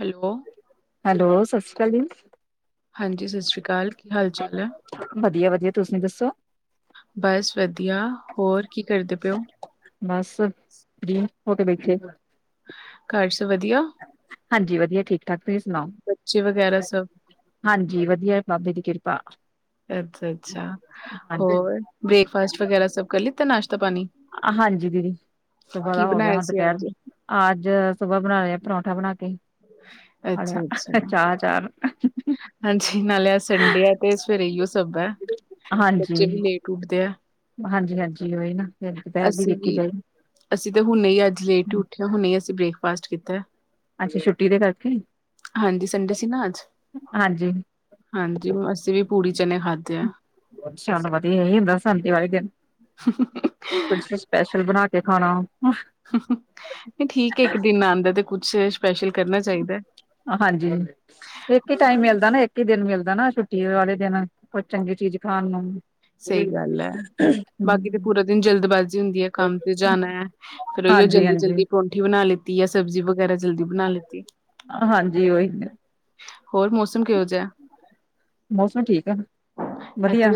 ਹੈਲ ਬੋ ਹੈਲੋ, ਸਤਿ ਸ਼੍ਰੀ ਅਕਾਲ ਜੀ। ਹਾਂਜੀ, ਸਤਿ ਸ਼੍ਰੀ ਅਕਾਲ। ਕੀ ਹਾਲ ਚਾਲ ਹੈ? ਵਧੀਆ-ਵਧੀਆ ਤੁਸੀਂ ਦੱਸੋ। ਬਸ ਵਧੀਆ, ਹੋਰ ਕੀ ਕਰਦੇ ਪਏਓ? ਬਸ ਫਰੀ ਹੋ ਕੇ ਬੈਠੇ ਘਰ ਸਬ ਵਧੀਆ। ਹਾਂਜੀ ਵਧੀਆ ਠੀਕ-ਠਾਕ, ਤੁਸੀਂ ਸੁਣਾਓ। ਬੱਚੇ ਵਗੈਰਾ ਸਭ ਹਾਂਜੀ ਵਧੀਆ ਬਾਬੇ ਦੀ ਕਿਰਪਾ। ਅੱਛਾ-ਅੱਛਾ ਹਾਂਜੀ ਹੋਰ ਬ੍ਰੇਕਫਾਸਟ ਵਗੈਰਾ ਸਬ ਕਰ ਲਿੱਤਾ ਨਾਸ਼ਤਾ-ਪਾਣੀ। ਹਾਂਜੀ ਦੀਦੀ ਸੁਬਾਹ ਦਾ ਹੋ ਗਿਆ ਬਣਾਇਆ ਹੁਣ ਸੀ ਦੁਪਹਿਰ ਅੱਜ? ਦੀ ਅੱਜ ਸੁਬਾਹ ਬਣਾ ਲਿਆ ਪਰੌਂਠਾ ਬਣਾ ਕੇ ਅੱਛਾ ਅੱਛਾ ਚਾਹ ਚਾਰ ਹਾਂਜੀ, ਨਾਲੇ ਸੰਡੇ ਆ, ਤੇ ਸਵੇਰੇ ਇਓ ਸਭ ਹੈ ਬੱਚੇ ਹਾਂਜੀ ਵੀ ਲੇਟ ਟੁੱਟਤੇ ਐ ਹਾਂਜੀ ਹਾਂਜੀ ਉਹੀ ਨਾ ਫਿਰ ਦੁਪਹਿਰ ਦੀ ਅਸੀਂ ਵੇਖੀ ਵੀ, ਜਾਈ ਅਸੀਂ ਤੇ ਹੁਣ ਹੀ ਅੱਜ, ਲੇਟ ਹੀ ਉੱਠੇ ਆ ਹੁਣੇ, ਅਸੀਂ ਬ੍ਰੇਕਫਾਸਟ ਕੀਤਾ ਅੱਛਾ, ਛੁੱਟੀ ਦੇ ਕਰਕੇ ਹਾਂਜੀ, ਸੰਡੇ ਸੀ ਨਾ ਅੱਜ, ਹਾਂਜੀ ਹਾਂਜੀ ਅਸੀ ਵੀ ਪੂੜੀ ਚਨੇ ਖਾਧੇ ਆ ਚੱਲ ਵਧੀਆ ਏ ਸਾਨੂ, ਦੀਵਾਲੀ ਦਿਨ [unintelligible] [inaudible] ਕੁਛ ਸਪੈਸ਼ਲ ਬਣਾ ਕੇ ਖਾਣਾ ਹੁ, ਹੁ, ਨਹੀ ਠੀਕ ਏ, ਇੱਕ ਦਿਨ ਆਦਾ ਤੇ ਕੁਛ, ਸਪੈਸ਼ਲ ਕਰਨਾ ਚਾਹੀਦਾ ਆ ਹਾਂਜੀ, ਇੱਕ ਹੀ ਹੋਰ। ਟਾਈਮ ਮਿਲਦਾ ਨਾ, ਇੱਕ ਹੀ ਦਿਨ ਮਿਲਦਾ ਨਾ, ਛੁੱਟੀ ਵਾਲੇ ਦਿਨ, ਕੁਛ ਚੰਗੀ ਚੀਜ਼ ਖਾਣ ਨੂੰ ਸਹੀ ਗੱਲ ਹੈ ਹਮ [unintelligible] [unintelligible] ਬਾਕੀ ਤੇ ਪੂਰਾ ਦਿਨ, ਜਲਦਬਾਜ਼ੀ ਹੁੰਦੀ ਹੈ, ਕੰਮ ਤੇ ਜਾਣਾ ਹੈ, ਫੇਰ ਉਹੀਓ ਹਾਂਜੀ ਜਲਦੀ ਹਾਂਜੀ ਜਲਦੀ ਪ ਰੋਟੀ ਬਣਾ ਲੀਤੀ, ਸਬਜ਼ੀ ਵਗੈਰਾ ਜਲਦੀ ਬਣਾ ਲਿਤੀ ਆ ਹਾਂਜੀ, ਉਹੀ ਤੇ, ਹੋਰ ਮੌਸਮ ਕ ਮੌਸਮ ਠੀਕ ਆ, ਵਧੀਆ।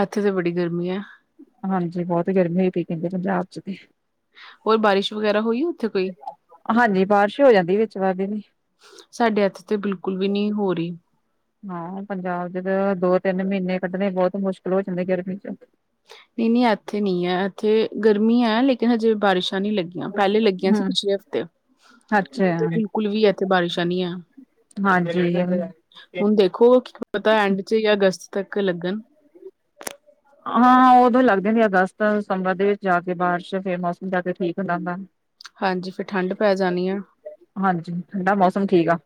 ਇੱਥੇ ਤੇ, ਬੜੀ ਗਰਮੀ ਆ ਹਾਂਜੀ, ਬਹੁਤ ਗਰਮੀ ਹੋਈ ਪਈ, ਕਹਿੰਦੇ ਪੰਜਾਬ ਚ ਹੋਰ ਬਾਰਿਸ਼ ਵਗੈਰਾ, ਹੋਈ ਆ ਉੱਥੇ ਕੋਈ? ਹਾਂਜੀ, ਬਾਰਿਸ਼ ਹੋ ਜਾਂਦੀ ਵਿਚ ਵਾਰ ਦੀ ਵੀ ਸਾਡੇ ਐਥੇ ਤੇ ਬਿਲਕੁਲ ਵੀ, ਨਹੀਂ ਹੋ ਰਹੀ ਹਾਂ, ਪੰਜਾਬ ਚ ਤੇ ਦੋ -ਤਿੰਨ ਮਹੀਨੇ ਕੱਢਣੇ, ਬਹੁਤ ਮੁਸ਼ਕਿਲ ਹੋ ਜਾਂਦੇ ਗਰਮੀ ਚ ਨਹੀਂ-ਨਹੀਂ, ਇੱਥੇ ਨਈ ਐ ਇੱਥੇ ਗਰਮੀ ਹੈ, ਲੇਕਿਨ ਹਜੇ ਬਾਰਿਸ਼ਾਂ ਨਹੀਂ ਲੱਗੀ ਪਹਿਲੇ ਲੱਗੀਆਂ ਸੀ। ਹੂੰ ਪਿਛਲੇ ਹਫ਼ਤੇ ਹੁਣ ਅੱਛਾ ਤੇ ਬਿਲਕੁਲ ਵੀ, ਇੱਥੇ ਬਾਰਿਸ਼ਾਂ ਨੀ ਹੈ। ਹਾਂਜੀ ਹੁਣ ਦੇਖੋ, ਕੀ ਪਤਾ ਐਂਡ ਚ ਜਾਂ ਅਗਸਤ ਤੱਕ, ਲੱਗਣ ਹਾਂ, ਉਦੋਂ ਲੱਗਦੇ ਨੇ ਅਗਸਤ ਸਤੰਬਰ ਦੇ ਵਿੱਚ ਜਾ ਕੇ ਬਾਰਿਸ਼ ਫੇਰ, ਮੌਸਮ ਜਾ ਕੇ ਠੀਕ ਹੋਣਾ ਹੁੰਦਾ ਹਾਂਜੀ, ਫਿਰ ਠੰਡ ਪੈ ਜਾਣੀ ਆ ਹਾਂਜੀ, ਠੰਡਾ ਮੌਸਮ ਠੀਕ ਆ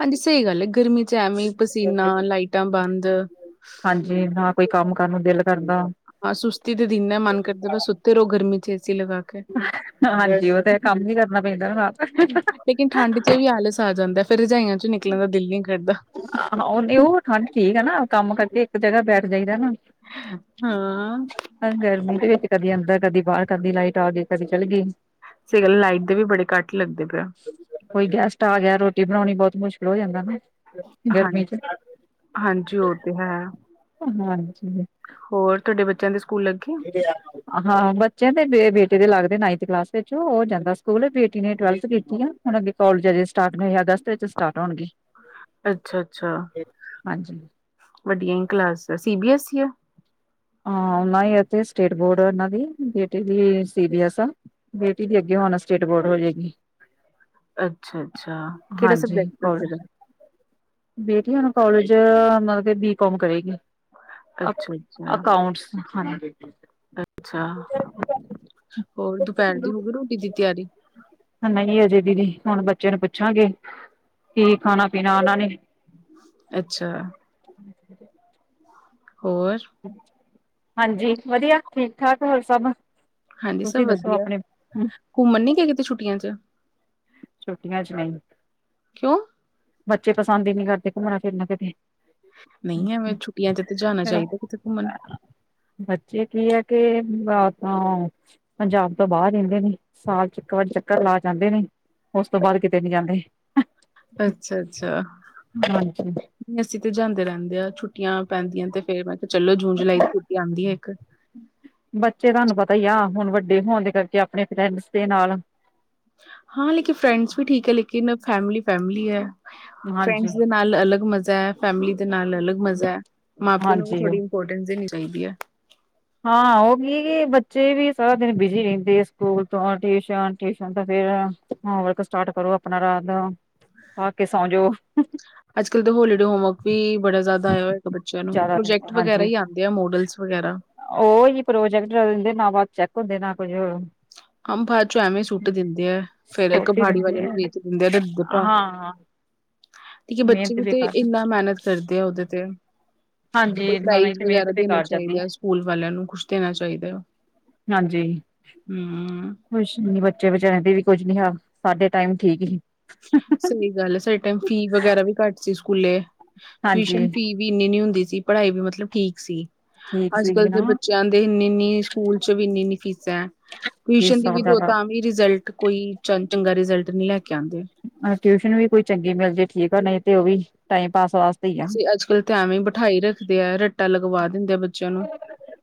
ਹਾਂਜੀ, ਸਹੀ ਗੱਲ ਏ, ਗਰਮੀ ਚ ਐਵੇਂ ਪਸੀਨਾ ਲਾਈਟਾਂ ਬੰਦ ਹਾਂਜੀ, ਨਾ ਕੋਈ ਕੰਮ ਕਰਨ ਨੂੰ ਦਿਲ ਕਰਦਾ ਹਾਂ, ਸੁਸਤੀ ਤੇ ਦਿਨ ਐ, ਮਨ ਕਰਦਾ ਬਸ ਸੁੱਤੇ ਰਹੋ ਚ ਏਸੀ ਲਗਾ ਕੇ ਹਾਂਜੀ, ਉਹ ਤੇ ਹੇ ਕੰਮ ਵੀ ਕਰਨਾ ਪੈਂਦਾ ਰਾਤ ਹੁ ਲੇਕਿਨ, ਠੰਡ ਚ ਵੀ ਆਲਸ ਆ ਜਾਂਦਾ, ਫਿਰ ਰਜਾਈਆਂ ਚੋਂ ਨਿਕਲਣ, ਦਾ ਦਿਲ ਨ ਕਰਦਾ ਆਹ ਉਹ, ਉਹ ਠੰਡ ਠੀਕ ਹੈ ਨਾ, ਕੰਮ ਕਰਕੇ ਇੱਕ ਜਗ੍ਹਾ ਬੈਠ ਜਾਈਦਾ ਨਾ ਹਾਂ। ਗਰਮੀ ਦੇ ਵਿੱਚ ਕਦੀ ਅੰਦਰ, ਕਦੀ ਬਾਹਰ, ਕਦੀ ਲਾਈਟ ਆ ਗਈ, ਕਦੀ ਚੱਲ ਗਈ ਸਈ ਗੱਲ ਐ, ਲਾਈਟ ਦੇ ਵੀ ਬੜੇ ਕੱਟ ਲੱਗਦੇ ਪਿਆ ਕੋਈ ਗੈਸਟ ਆ ਗਿਆ, ਰੋਟੀ ਬਣਾਉਣੀ ਬਹੁਤ ਮੁਸ਼ਕਿਲ ਹੋ ਜਾਂਦਾ ਨਾ ਗਰਮੀ ਚ ਹਾਂਜੀ-ਹਾਂਜੀ ਉਹ ਤੇ ਹੈ ਹਾਂਜੀ। ਹੋਰ, ਤੁਹਾਡੇ ਬੱਚਿਆਂ ਦੇ ਸਕੂਲ ਲੱਗੇ? ਹਾਂ ਬੱਚੇ ਦੇ, ਬੇਟੇ ਦੇ ਲੱਗਦੇ ਨਾਈਨਥ ਕਲਾਸ ਵਿੱਚ ਉਹ ਜਾਂਦਾ ਸਕੂਲ, ਬੇਟੀ ਨੇ ਟਵਲਥ ਕੀਤੀ ਆ। ਹੁਣ ਅੱਗੇ ਕੋਲਜ ਅਜੇ ਸਟਾਰਟ ਨੀ ਨਈ ਹੋਏ, ਅਗਸਤ ਵਿੱਚ ਸਟਾਰਟ ਹੋਣਗੇ। ਅੱਛਾ ਅੱਛਾ ਹਾਂਜੀ ਵੱਡੀਆਂ ਈ ਕਲਾਸ ਐ। ਸੀ ਬੀ ਏਸ ਈ ਆ? ਹਾਂ, ਉਹਨਾ ਇਥੇ ਸਟੇਟ ਬੋਰਡ ਓਹਨਾ ਦੀ, ਬੇਟੇ ਦੀ ਸੀ ਬੀ ਐਸ ਐ। ਬੇਟੀ ਦੀ ਅੱਗੇ ਹੋਨ ਸਟੇਟ ਬੋਰਡ ਹੋ ਜਾਏਗੀ। ਅੱਛਾ -ਅੱਛਾ, ਕਿਹੜਾ ਹਾਂਜੀ ਸਬਜੈਕਟ ਕੋਲ ਰੱਖੇ ਦੇ? ਬੇਟੀ ਹੁਣ ਕੋਲਜ, ਮਤਲਬ ਕੀ ਬੀਕੌਮ ਕਰੇਗੀ। ਅੱਛਾ ਅੱਛਾ ਅਕਾਊਂਟਸ ਹਾਂਜੀ। ਅੱਛਾ ਹੋਰ ਦੁਪਹਿਰ ਦੀ ਹੋਗੀ ਰੋਟੀ ਦੀ ਤਿਆਰੀ ਨਹੀਂ ਅਜੇ ਦੀਦੀ ਹੁਣ ਬੱਚੇ ਨੂੰ ਪੁੱਛਾਂਗੇ ਕੀ ਖਾਣਾ ਪੀਣਾ ਉਹਨਾਂ ਨੇ ਅੱਛਾ ਹ [inaudible] ਹੋਰ ਹਾਂਜੀ ਵਧੀਆ ਠੀਕ ਠਾਕ ਹੋਰ ਸਭ ਹਾਂਜੀ, ਸਭ ਤੁਸੀਂ ਦੱਸੋ ਵਧੀਆ। ਆਪਣੇ ਘੁੰਮਣ ਨੀ ਗਯੇ ਕਿਤੇ ਛੁੱਟਿਆਂ ਚ ਛੁੱਟੀਆਂ ਚ ਨਹੀਂ ਕਿਉਂ ਬੱਚੇ ਪਸੰਦ ਹੀ ਨਹੀਂ ਕਰਦੇ ਘੁੰਮਣਾ ਫਿਰਨਾ ਕਿਥੇ ਨਹੀਂ ਹੈਵੇਂ ਛੁੱਟੀਆਂ ਚ ਤੇ ਜਾਣਾ ਚਾਹੀਦਾ ਕਿਥੇ ਘੁੰਮਣ ਬੱਚੇ ਕੀ ਆ ਕੇ [inaudible] ਪੰਜਾਬ ਤੋਂ ਬਾਹਰ ਰਹਿੰਦੇ ਨੇ, ਸਾਲ ਚ ਇੱਕ ਵਾਰ ਚੱਕਰ ਲਾ ਜਾਂਦੇ ਨੇ ਉਸ ਤੋਂ ਬਾਅਦ ਕਿਤੇ ਨੀ ਜਾਂਦੇ ਅੱਛਾ ਅੱਛਾ ਹਾਂਜੀ ਨਹੀਂ ਅਸੀਂ ਤੇ ਜਾਂਦੇ ਰਹਿੰਦੇ ਆਂ ਛੁੱਟੀਆਂ ਪੈਂਦੀਆਂ ਤੇ ਫੇਰ ਮੈਂ ਕਿਹਾ ਚਲੋ ਜੂਨ ਜੁਲਾਈ ਦੀ ਛੁਟੀ ਆਉਂਦੀ ਹੈ ਇੱਕ। ਬੱਚੇ ਤੁਹਾਨੂੰ ਪਤਾ ਹੀ ਆ, ਹੁਣ ਵੱਡੇ ਹੋਣ ਦੇ ਕਰਕੇ ਆਪਣੇ ਫਰੈਂਡਸ ਦੇ ਨਾਲ ਹਾਂ ਲੇਕਿਨ ਫਰੈਂਡਸ ਵੀ ਠੀਕ ਹੈ, ਲੇਕਿਨ ਫੈਮਲੀ ਫੈਮਲੀ ਹੈ ਹਾਂਜੀ ਫਰੈਂਡਸ ਦੇ ਨਾਲ ਅਲੱਗ ਮਜ਼ਾ ਹੈ, ਫੈਮਲੀ ਦੇ ਨਾਲ ਅਲੱਗ ਮਜ਼ਾ ਹੈ, ਮਾਂ ਪਿਓ ਨੂੰ ਵੀ ਹਾਂਜੀ ਥੋੜ੍ਹੀ ਇਮਪੋਰਟੈਂਸ ਦੇਣੀ ਚਾਹੀਦੀ ਹੈ ਹਾਂ ਉਹ ਕੀ ਕਿ ਬੱਚੇ ਵੀ ਸਾਰਾ ਦਿਨ ਬਿਜੀ ਰਹਿੰਦੇ ਐ, ਸਕੂਲ ਤੋਂ ਟਿਊਸ਼ਨ ਟਿਊਸ਼ਨ ਤੋ ਫੇਰ ਹੋਮਵਰਕ ਸਟਾਰਟ ਕਰੋ, ਆਪਣਾ ਰਾਤ ਦਾ ਖਾ ਕੇ ਸੋ ਜਾਓ ਅੱਜ ਕੱਲ੍ਹ ਤਾਂ ਹੋਲੀਡੇ ਹੋਮਵਰਕ ਵੀ ਬੜਾ ਜ਼ਿਆਦਾ ਆਇਆ ਹੋਏਗਾ ਬੱਚਿਆਂ ਨੂੰ ਜ਼ਿਆਦਾ ਦਿਨ ਪ੍ਰੋਜੈਕਟ ਵਗੈਰਾ ਹੀ ਆ ਆ ਮੋਡਲਸ ਵਗੈਰਾ ਉਹਹੀ ਪ੍ਰੋਜੈਕਟ ਦਿੰਦੇ, ਨਾ ਬਾਦ ਚੈੱਕ ਹੁੰਦੇ ਨਾ ਕੁੱਝ ਹੋ ਅੰਬਾ ਚੋਂ ਐਵੇਂ ਸੁੱਟ ਦਿੰਦੇ ਆ, ਫੇਰ ਸੋਟੀ ਕਹਾੜੀ ਵਾਲੇ ਦਿੰਦੇ ਨੂੰ ਆ ਵੇਚ ਦਿੰਦੇ ਆ ਰੱਦੀ ਦੇ ਭਾਅ ਹਾਂ ਠੀਕ ਏ, ਬੱਚੇ ਮਿਹਨਤ ਵੀ ਤੇ ਬੇਕਾਰ ਇੰਨਾ ਮੇਹਨਤ ਕਰਦੇ ਆ ਉਹਦੇ ਤੇ ਕੋਈ ਹਾਂਜੀ ਨਹੀਂ ਪ੍ਰਾਈਜ਼ ਤੇ ਮਿਹਨਤ ਵਗੈਰਾ ਦੇਣਾ ਬੇਕਾਰ ਜਾਂਦੀ ਹੈ ਚਾਹੀਦਾ ਸਕੂਲ ਵਾਲਿਆਂ ਨੂੰ ਕੁਛ ਦੇਣਾ ਚਾਹੀਦਾ ਹੈ ਹਾਂਜੀ ਹੂ ਕੁਛ ਨੀ ਬੱਚੇ ਵਿਚਾਰਿਆਂ ਦੇ ਵੀ ਕੁਝ ਨੀ ਹੱਥ, ਸਾਡੇ ਟਾਈਮ ਠੀਕ ਹੀ ਸਹੀ ਗੱਲ ਹੈ, ਸਾਡੇ ਟਾਈਮ ਫੀ ਵਗੈਰਾ ਵੀ ਘੱਟ ਸੀ ਸਕੂਲੇ ਟਿਊਸ਼ਨ ਹਾਂਜੀ ਫੀ ਵੀ ਇੰਨੀ ਨੀ ਹੁੰਦੀ ਸੀ, ਪੜ੍ਹਾਈ ਵੀ ਮਤਲਬ ਠੀਕ ਸੀ ਠੀਕ ਅੱਜ ਸੀਗੀ ਕਲ੍ਹ ਦੇ ਨਾ ਬੱਚਿਆਂ ਦੇ ਇੰਨੀ ਇਨੀ ਸਕੂਲ ਚ ਵੀ ਇੰਨੀ ਇੰਨੀ ਫੀਸਾਂ ਹੈ ਇਸ ਟਿਊਸ਼ਨ ਦੀ ਵੀ ਸਕਦਾ ਦੋ ਵਾ ਤਾਂ ਵੀ ਰਿਜ਼ਲਟ ਕੋਈ ਚੰਗਾ ਰਿਜਲਟ ਨਹੀਂ ਲੈ ਕੇ ਆਉਂਦੇ। ਹ ਟਿਊਸ਼ਨ ਵੀ ਕੋਈ ਚੰਗੀ ਮਿਲ ਜਾਏ ਠੀਕ ਆ ਨਹੀਂ ਤੇ ਉਹ ਵੀ ਟਾਈਮ ਪਾਸ ਵਾਸਤੇ ਹੀ ਆ ਅਸੀ ਅੱਜਕਲ ਤੇ ਐਵੇਂ ਬਿਠਾਈ ਰੱਖਦੇ ਆ ਰੱਟਾ ਲਗਵਾ ਦਿੰਦੇ ਆ ਬ ਬਚਿਆ ਨੂੰ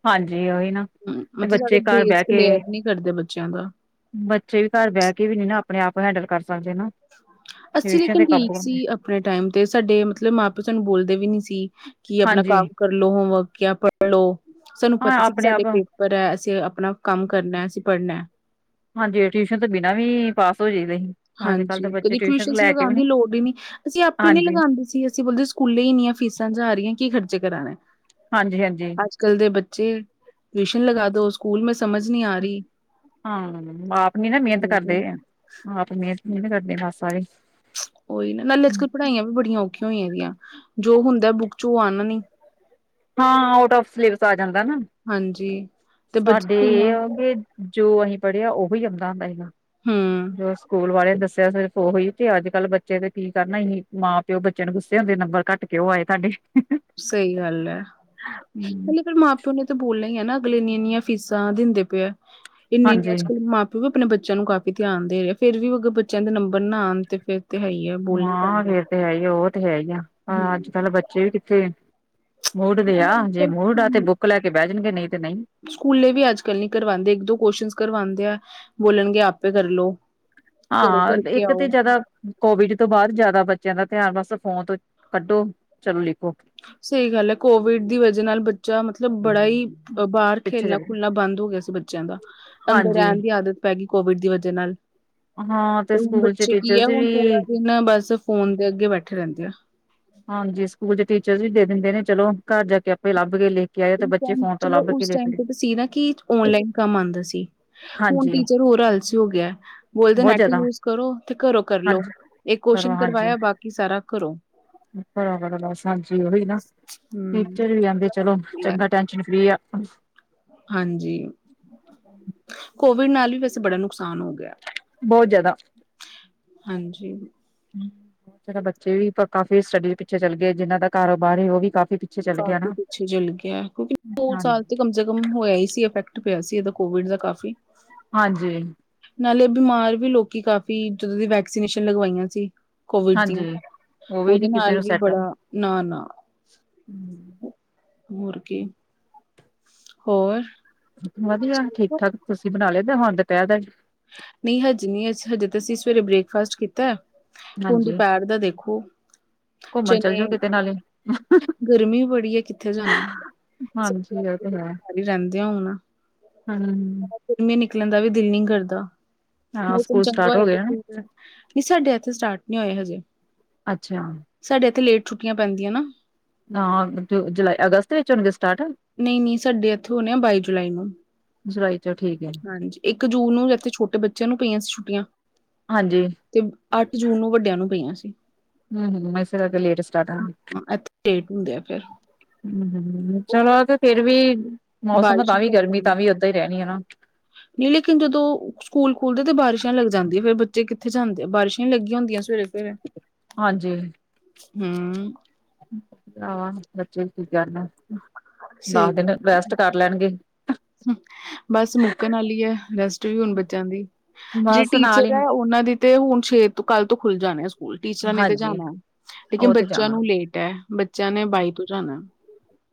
ਹਾਂਜੀ ਉਹੀ ਨਾ ਤੇ ਮਤਲਬ ਸਾਡੇ ਬੱਚੇ ਘਰ ਬੇਸ ਬਹਿ ਕੇ ਕਲੀਅਰ ਨੀ ਕਰਦੇ ਬੱਚਿਆਂ ਦਾ ਬੱਚੇ ਵੀ ਘਰ ਬਹਿ ਕੇ ਵੀ ਨੀ ਨਾ ਆਪਣੇ ਆਪ ਹੈਂਡਲ ਕਰ ਸਕਦੇ ਨਾ। ਅੱਸੀ ਟਿਊਸ਼ਨ ਲੇਕਿਨ ਤੇ ਠੀਕ ਕਾਬੂ ਸੀ। ਹੁੰਦੇ ਆਪਣੇ ਟਾਈਮ ਤੇ ਸਾਡੇ ਮਤਲਬ ਮਾਂ ਪਿਓ ਸਾਨੂੰ ਬੋਲਦੇ ਵੀ ਨੀ ਸੀ। ਕੀ ਆਪਣਾ ਹਾਂਜੀ ਕੰਮ ਕਰਲੋ ਹੋਮਵਰਕ ਜਾਂ ਪੜ੍ਹ ਲੋ ਸਾਨੂੰ ਹਾਂ ਪਤਾ ਸੀ ਕਿ ਆਪਣੇ ਆਪ ਸਾਡੇ ਪਰ ਅਸੀਂ ਆਪਣਾ ਕੰਮ ਕਰਨਾ ਅਸੀਂ ਪੜ੍ਹਨਾ ਹਾਂਜੀ ਟਿਊਸ਼ਨ ਤੋਂ ਬਿਨਾਂ ਵੀ ਪਾਸ ਹੋ ਜਾਈਦਾ ਸੀ ਅੱਜ ਕੱਲ੍ਹ ਤਾਂ ਹਾਂਜੀ ਬੱਚੇ ਕਦੇ ਟਿਊਸ਼ਨ ਲੈ ਕੇ ਲਗਾਉਣ ਵੀ ਨੀ ਦੀ ਲੋੜ ਹੀ ਨਹੀਂ ਅਸੀਂ ਆਪੇ ਨੀ ਹਾਂਜੀ ਲਗਾਉਂਦੇ ਸੀ ਅਸੀਂ ਬੋਲਦੇ ਸੀ ਸਕੂਲ ਸਕੂਲੇ ਹੀ ਇੰਨੀਆਂ ਫੀਸਾਂ ਜਾ ਰਹੀਆਂ ਕੀ ਖਰਚੇ ਕਰਨ ਇਹ ਹਾਂਜੀ ਹਾਂਜੀ ਅੱਜ ਕੱਲ ਦੇ ਬੱਚੇ ਟਿਊਸ਼ਨ ਲਗਾ ਦੋ ਸਕੂਲ ਮੇ ਸਮਝ ਨਹੀਂ ਆ ਰਹੀ ਹਾਂ ਆਪ ਨੀ ਨਾ ਮਿਹਨਤ ਕਰਦੇ ਆਪ ਮਿਹਨਤ ਨੀ ਕਰਦੇ ਬਸ ਸਾਰੀ ਕੋਈ ਨਾ, ਨਾਲੇ ਅੱਜ ਕਲ ਪੜ੍ਹਾਈਆਂ ਵੀ ਬੜੀਆਂ ਔਖੀਆਂ ਹੋਈਆਂ ਦੀਆਂ। ਜੋ ਹੁੰਦਾ ਹੈ ਬੁੱਕ ਚ, ਉਹ ਆਨਾ ਨੀ। ਹਾਂ, ਆਊਟ ਆਫ ਸਲੇਬਸ ਆ ਜਾਂਦਾ ਨਾ। ਹਾਂਜੀ ਤੇ ਬੱਚ ਸਾਡੇ ਇਹ ਕਈਆਂ ਨੂੰ ਆ ਕਿ ਜੋ ਅਸੀਂ ਪੜ੍ਹਿਆ ਉਹ ਹੀ ਆਉਂਦਾ ਹੁੰਦਾ ਸੀਗਾ। ਹੂੰ ਜੋ ਸਕੂਲ ਵਾਲੇ ਦੱਸ ਸਿਆ ਸਿਰਫ ਓਹੀ, ਤੇ ਅੱਜ ਕੱਲ ਬੱਚੇ ਤੇ ਕੀ ਕਰਨਾ ਹੀ। ਮਾਂ ਪਿਓ ਬੱਚੇ ਨੂੰ ਗੁੱਸੇ ਹੁੰਦੇ, ਨੰਬਰ ਘੱਟ ਕਿਉਂ ਆਏ ਤੁਹਾਡੇ? ਹੀ-ਹੀ। ਸਹੀ ਗੱਲ ਹੈ। ਹੁਨ ਇਹ ਫਿਰ ਮਾਂ ਪਿਓ ਨੇ ਤੇ ਬੋਲਨਾ ਹੀ ਹੈ ਨਾ। ਅਗਲੇ ਇੰਨੀਆਂ ਇੰਨੀਆਂ ਫੀਸਾਂ ਦਿੰਦੇ ਪਏ ਆ। ਇੰਨੇ ਇੰਨੇ ਹਾਂਜੀ ਅੱਜਕੱਲ੍ਹ ਮਾਂ ਤੂੰ ਵੀ ਆਪਨੇ ਬੱਚਿਆਂ ਨੂੰ ਕਾਫੀ ਧਿਆਨ ਦੇ ਰਿਹੇ। ਫਿਰ ਵੀ ਅਗਰ ਬੱਚਿਆਂ ਦੇ ਨੰਬਰ ਨਾ ਆਉਨ, ਤੇ ਫਿਰ ਹਾਂ ਇਹ ਤੇ ਹੈ ਹੀ ਆ। ਉਹ ਤੇ ਹੈ ਹੀ ਆ, ਹੂੰ ਅੱਜ ਕੱਲ ਬੱਚੇ ਵੀ ਕਿੱਥੇ ਮੁੂਡ ਤੇ ਆ। ਨਾਲੇ ਜੇ ਅੱਜ-ਕੱਲ ਮੂਡ ਆ ਤੇ ਸਕੂ ਬੁੱਕ ਲੈ ਕੇ ਬਹਿ ਜਾਨਗੇ, ਨਹੀਂ ਤੇ ਨਹੀਂ। ਸਕੂਲੇ ਵੀ ਅੱਜ ਕੱਲ ਨੀ ਕਰਵਾਉਂਦੇ। ਇੱਕ ਦੋ ਕੁਸ਼ਚੰਸ ਕਰਵਾਉਂਦੇ ਏ। ਬੋਲਣਗੇ ਆਪੇ ਕਰਲਓ। ਹਾਂ, ਇੱਕ ਤੇ ਜਿਆਦਾ ਕੋਵਿਡ ਤੋ ਬਾਅਦ ਜਿਆਦਾ ਬੱਚਿਆਂ ਦਾ ਧਿਆਨ ਬਸ ਫੋਨ ਤੋ ਕੱਢੋ, ਚਲੋ ਲਿਖੋ। ਸਹੀ ਗੱਲ ਹੈ। ਕੋਵਿਡ ਦੀ ਵਜਾ ਨਾਲ ਬੱਚਾ ਮਤਲਬ ਬੜਾ ਹੀ ਉਹ ਬਾਹਰ ਪਿੱਛੇ ਖੇਲਨਾ ਚਲੇ ਖੂਲਨਾ ਬੰਦ ਹੋ ਗਿਆ ਸੀ ਬੱਚਿਆਂ ਦਾ। ਅੰਦਰ ਹਾਂਜੀ ਰਹਿਨ ਦੀ ਆਦਤ ਪੈ ਗਈ ਕੋਵਿਡ ਦੀ ਵਜਾ ਨਾਲ। ਹਾਂ ਤੇ ਹੁਣ ਸਕੂਲ ਚ ਬੱਚੇ ਕੀ ਹੈ, ਟੀਚਰਸ ਹੁਣ ਪੂਰਾ ਵੀ ਦਿਨ ਨਾ ਬਸ ਫੋਨ ਦੇ ਅੱਗੇ ਬੈਠੇ ਰਹਿੰਦੇ ਐਂ। ਹਾਂਜੀ ਸਕੂਲ ਦੇ ਟੀਚਰਜ਼ ਵੀ ਦੇ ਦਿੰਦੇ ਨੇਂ। ਚਲੋ ਘਰ ਜਾ ਕੇ ਆਪੇ ਲੱਭਕੇ ਲਿਖ ਉਹ ਟਾਈਮ ਚਲੋ ਉਸ ਟਾਈਮ ਲ ਤੇ ਤਾਂ ਸੀ ਨਾ ਕਿ, ਓਨਲਾਈਨ ਕੰਮ ਆਉਂਦਾ ਸੀ। ਹੁਣ ਹਾਂਜੀ ਟੀਚਰ ਹੋਰ ਆਲਸੀ ਹੋ ਗਿਆ ਏ। ਬੋਲਦੇ ਬਹੁਤ ਨੈੱਟ ਜ਼ਿਆਦਾ ਯੂਜ਼ ਕਰੋ, ਤੇ ਘਰੋਂ ਕਰਲੋ। ਹਾਂਜੀ ਇਕ ਕੋਸ਼ਚਨ ਕਰਵਾਇਆ, ਬਾਕੀ ਸਾਰਾ ਘਰੋਂ। ਬਰਾਬਰ ਏ ਬਸ ਹਾਂਜੀ ਓਹੀ ਨਾ, ਹਮ ਟੀਚਰ ਵੀ ਆਉਂਦੇ ਚਲੋ ਚੰਗਾ ਟਾਈਮ ਜਿਵੇਂ ਫ੍ਰੀ ਆ। ਹਾਂਜੀ, ਕੋਵਿਡ ਨਾਲ ਵੀ ਵੈਸੇ ਬੜਾ ਨੁਕਸਾਨ ਹੋ ਗਿਆ। ਬਹੁਤ ਜਿਆਦਾ ਹਾਂਜੀ ਹਮ, ਬਹੁਤ ਜਿਆਦਾ ਬੱਚੇ ਵੀ ਤਾ ਕਾਫੀ ਸਟਡੀ ਚ ਪਿੱਛੇ ਚੱਲ ਗਏ। ਜਿਹਨਾਂ ਦਾ ਕਾਰੋਬਾਰ ਹੈ, ਉਹ ਵੀ ਕਾਫੀ ਪਿੱਛ ਕਾਫੀ ਪਿੱਛੇ ਚਲ ਗਿਆ ਏ। ਕਿਉਂਕਿ ਦੋ ਹਾਂ ਸਾਲ ਤਾਂ ਕਮ ਸੇ ਕਮ ਹੋਇਆ ਹੀ ਸੀ। ਇਫੈਕਟ ਪਿਆ ਸੀ, ਇਹਦਾ ਕੋਵਿਡ ਦਾ ਕਾਫੀ। ਹਾਂਜੀ ਨਾਲੇ ਬਿਮਾਰ ਵੀ ਲੋਕੀ ਕਾਫ਼ੀ, ਜਦੋਂ ਦੀ ਵੈਕਸੀਨੇਸ਼ਨ ਲਗਵਾਈਆਂ ਸੀ। ਕੋਵਿਡ ਦੀ, ਹਾਂਜੀ ਉਹ ਵੀ ਉਹਦੇ ਨਾਲ ਵੀ ਬੜਾ ਨਾ-ਨਾ ਹੂੰ ਹੋਰ ਕੀ। ਹੋਰ ਵਧੀਆ ਤੁਸੀਂ ਠੀਕ ਦੇਖੋ, ਠਾਕ ਤੁਸੀਂ ਬਨਾ ਲਿਆ ਦੋਹਾਂ ਦਾ [unintelligible] ਨਹੀਂ ਹਜੇ ਨੀ ਅਸ ਹਜੇ ਤੇ ਅਸੀ ਸਵੇਰੇ ਬ੍ਰੇਕਫਾਸਟ ਕੀਤਾ। ਹੁਨ ਹਾਂਜੀ ਦੁਪਹਿਰ ਦਾ ਦੇਖੋ। ਘੁੰਮਣ ਚੱਲ ਜਾਓ ਕਿਤੇ ਨਾਲੇ [unintelligible] ਗਰਮੀ ਬੜੀ ਹੈ, ਕਿੱਥੇ ਜਾਨਾ। [inaudible] ਹਾਂਜੀ ਉਹ ਤੇ ਹੈ ਘਰ ਹੀ ਰਹਿੰਦੇ ਹੁਣ। ਹਮ ਗਰਮੀਆਂ ਨਿਕਲਨ ਦਾ ਵੀ ਦਿਲ ਨੀ ਕਰਦਾ, ਹਾਂ ਮੌਸਮ ਸਕੂਲ ਚੰਗਾ ਸਟਾਰਟ ਹੋਇਆ ਹੋ ਤੇ ਗਏ ਨਾ ਠੀਕ ਹੈ। ਨੀ ਸਾਡੇ ਇੱਥੇ ਸਟਾਰਟ ਨਹੀਂ ਹੋਏ ਹਜੇ। ਅੱਛਾ ਸਾਡੇ ਇੱਥੇ ਲੇਟ ਛੁੱਟੀਆਂ ਪੈਂਦੀਆਂ ਨਾ। ਨਾ ਤੇ ਜੁਲਾਈ, ਅਗਸਤ ਵਿੱਚ ਹੋਨਗੇ ਸਟਾਰਟ? ਨਹੀਂ-ਨਹੀਂ ਸਾਡੇ ਇੱਥੇ ਹੋਣੇ ਆ ਬਾਈ ਜੁਲਾਈ ਨੂੰ ਜੁਲਾਈ ਚ ਠੀਕ ਹੈ। ਹਾਂਜੀ, ਇੱਕ ਜੂਨ ਨੂੰ ਵੀ ਇੱਥੇ ਛੋਟੇ ਬੱਚਿਆਂ ਨੂੰ ਪਈਆਂ ਸੀ ਛੁੱਟੀਆ ਹਾਂਜੀ ਤੇ ਅੱਠ ਜੂਨ ਨੂੰ ਵੱਡਿਆਂ ਨੂੰ ਪਈਆਂ ਸੀ। ਹੂੰ-ਹੂੰ [unintelligible] ਲੇਟ ਸਟਾਰਟ ਆ। ਹਾਂ, ਇੱਥੇ ਲੇਟ ਹੁੰਦੇ ਆ ਫਿਰ ਹਮ-ਹਮ ਚਲੋ ਆ ਫੇਰ ਵੀ ਮੌਸਮ ਤਾ ਬਾਰਿਸ਼ਾਂ ਵੀ ਲੱਗ ਗਰਮੀ ਤਾਂ ਜਾਂਦੀਆਂ ਵੀ ਏਦਾ ਹੀ ਰਹਿਣੀ ਹੈ ਨਾ। ਨਹੀਂ ਲੇਕਿਨ ਜਦੋਂ ਸਕੂਲ ਖੁਲਦੇ ਤਾਂ ਬਾਰਿਸ਼ਾਂ ਲੱਗ ਜਾਂਦੀ ਹੈ ਫੇਰ ਬੱਚੇ ਕਿੱਥੇ ਜਾਂਦੇ ਆ ਬਾਰਿਸ਼ਾਂ ਹੀ ਲੱਗੀਆਂ ਹੁੰਦੀਆਂ ਸਵੇਰੇ ਫ ਹਾਂਜੀ ਹੂੰ ਆਹ ਬੱਚੇ ਕੀ ਕਰਨ ਸਹੀ ਦਸ ਦਿਨ ਗੱਲ ਰੈਸਟ ਕਰ ਲੈਣ। ਬਸ ਮੁੱਕਣ ਵਾਲੀ ਹੈ ਰੈਸਟ ਵੀ ਹੁਣ ਬੱਚਿਆਂ ਦੀ। ਜੇ ਬਸ ਨਾਲ ਟੀਚਰ ਹੀ ਹੈ ਉਹਨਾ ਦੀ ਤੇ ਹੁਣ ਛੇ ਤੋਂ ਕੱਲ੍ਹ ਤੋਂ ਖੁੱਲ ਜਾਣੇ ਆ ਸਕੂ ਸਕੂਲ ਟੀਚਰਾਂ ਨੇ ਤਾਂ ਹਾਂਜੀ ਜਾਣਾ ਹੈ ਲੇਕਿਨ ਉਹ ਤੇ ਬੱਚਿਆਂ ਜਾਣਾ ਨੂੰ ਲੇਟ ਹੈ ਬੱਚਿਆਂ ਨੇ ਬਾਈ ਤੋਂ ਜਾਣਾ।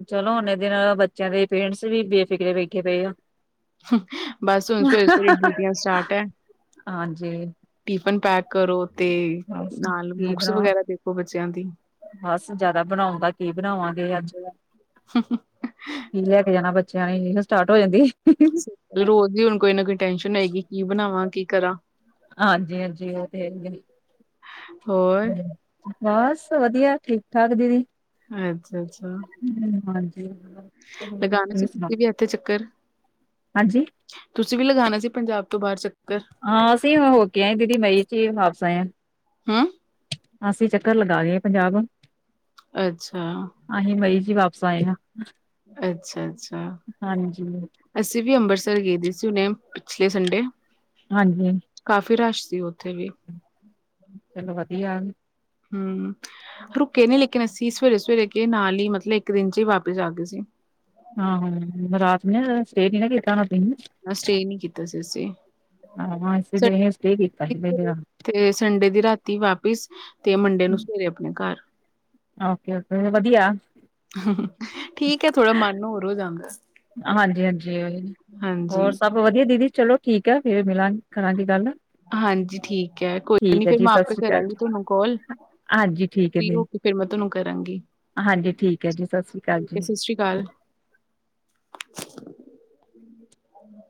ਚਲੋ ਓਹਨੇ ਦਿਨ ਨਾਲ ਬੱਚਿਆਂ ਦੇ ਪੇਰੈਂਟਸ ਵੀ ਬੇਫਿਕਰੇ ਵੇਖੇ ਪਏ ਆ। ਬਸ ਹੁਣ ਸਵੇਰੇ-ਸਵੇਰੇ ਡਿਊਟੀਆਂ ਸਟਾਰਟ ਹੈ ਹਾਂਜੀ ਟਿਫਿਨ ਪੈਕ ਕਰੋ ਤੇ ਬਸ ਨਾਲ ਕੀ ਬੁੱਕਸ ਬਣਾ ਵਗੈਰਾ ਦੇਖੋ ਬੱਚਿਆਂ ਦੀ। ਬਸ ਜਾਦਾ ਬਣਾਉਂਗਾ ਕੀ ਬਣਾਵਾਂਗੇ ਅੱਜ। ਹਮ ਹਮ ਕੀ ਲੈ ਕੇ ਜਾਣਾ ਬੱਚਿਆਂ ਨੇ ਇਹੋ ਸਟਾਰਟ ਹੋ ਜਾਂਦੀ। ਰੋਜ਼ ਦੀ ਹੁਣ ਕੋਈ ਨਾ ਕੋਈ ਟੈਸ਼ਨ ਹੋਏਗੀ ਕੀ ਬਣਾਵਾਂ ਕੀ ਕਰਾਂ। ਹਾਂਜੀ-ਹਾਂਜੀ ਉਹ ਤੇ ਹੈ ਹੀ ਹੋਰ ਏ। ਬਸ ਵਧੀਆ ਠੀਕ ਠਾਕ ਦੀਦੀ। ਅੱਛਾ-ਅੱਛਾ। ਹਾਂਜੀ। ਲਗਾਨਾ ਤੁਸੀਂ ਸੁਣਾਓ ਤੁਸੀ ਵੀ ਇਥੇ ਚੱਕਰ। ਹਾਂਜੀ ਤੁਸੀਂ ਵੀ ਲਗਾਉਣਾ ਸੀ ਪੰਜਾਬ ਤੋਂ ਬਾਰ ਚੱਕਰ। ਹਾਂ ਅਸੀਂ ਹੋ ਕੇ ਆਏ ਦੀਦੀ ਮਈ ਚ ਹੀ ਵਾਪਸ ਆਏ ਹਾਂ। ਹਮ ਅਸੀਂ ਚੱਕਰ ਲਗਾ ਆਏ ਪੰਜਾਬ। ਅੱਛਾ। ਅਹੀ ਮਈ ਚ ਹੀ ਵਾਪਸ ਆਏ ਹਾਂ। ਅੱਛਾ ਅੱਛਾ, ਹਾਂਜੀ ਅਸੀਂ ਵੀ ਅੰਬਰਸਰ ਗਏ ਦੇ ਸੀ ਹੁਣੇ ਪਿਛਲੇ ਸੰਡੇ, ਕਾਫੀ ਰਸ਼ ਸੀ ਉੱਥੇ ਵੀ। ਹੂੰ, ਚਲੋ ਵਧੀਆ ਆ। ਹੂੰ ਰੁਕੇ ਨੀ ਲੇਕਿਨ ਅਸੀਂ ਸਵੇਰੇ- ਸਵੇਰੇ ਗੇ ਨਾਲ ਹੀ ਮਤਲਬ ਇੱਕ ਦਿਨ ਚ ਹੀ ਵਾਪਿਸ ਆ ਗਏ ਸੀ। ਹੂੰ ਹੂੰ ਰਾਤ ਨੀ ਰਹੇ ਹੁਣ ਸਟੇ ਨਹੀਂ ਨਾ ਕੀਤਾ ਹੋਣਾ ਰਾਤੀ ਨੂੰ। ਸਟੇਅ ਨੀ ਕੀਤਾ ਸੀ ਅਸੀਂ। ਹੂੰ ਹੁਣ ਅਸੀਂ ਤੇ ਗਿਆ ਸਟੇਅ ਕੀਤਾ ਸੀ ਪਹਿਲੀ ਵਾਰ। ਤੇ ਸੰਡੇ ਦੀ ਰਾਤੀ ਵਾਪਿਸ ਤੇ ਮੰਡੇ ਨੂੰ ਸਵੇਰੇ ਆਪਣੇ ਘਰ। ਓਕੇ ਓਕੇ ਫੇਰ ਵਧੀਆ। ਠੀਕ ਹੈ ਥੋੜਾ ਮਨ ਹੋਰ ਹੋ ਜਾਂਦਾ। ਹਾਂਜੀ ਹਾਂਜੀ, ਉਹੀ ਹਾਂਜੀ। ਹੋਰ ਸਭ ਵਧੀਆ ਦੀਦੀ ਚਲੋ ਠੀਕ ਹੈ ਫੇਰ ਮਿਲਾਂਗੇ ਕਰਾਂਗੇ ਗੱਲ। ਹਾਂਜੀ ਠੀਕ ਹੈ ਕੋਈ ਠੀਕ ਨੀ ਹੈ ਫਿਰ ਜੀ ਮੈਂ ਸਤਿ ਆਪੇ ਸ੍ਰੀ ਅਕਾਲ ਕਰਾਂਗੀ ਜੀ ਤੁਹਾਨੂੰ ਕੋਲ ਹਾਂਜੀ ਠੀਕ ਹੈ ਫਰੀ ਹੋ ਦੀ ਤੇ ਫੇਰ ਮੈਂ ਤਹਾਨੂੰ ਕਰਾਂਗੀ। ਹਾਂਜੀ ਠੀਕ ਹੈ ਜੀ ਸਤਿ ਸ੍ਰੀ ਅਕਾਲ ਠੀਕ ਹੈ ਜੀ। ਸਤਿ ਸ਼੍ਰੀ ਅਕਾਲ।